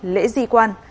lễ di quan